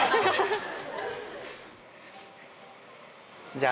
じゃあ。